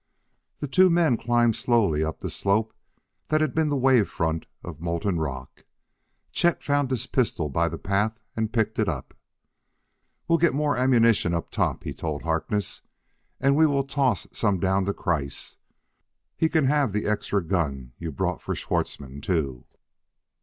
The two men climbed slowly up the slope that had been the wave front of molten rock. Chet found his pistol by the path and picked it up. "We'll get more ammunition up top," he told Harkness, "and we will toss some down to Kreiss. He can have the extra gun you brought for Schwartzmann, too."